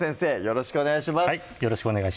よろしくお願いします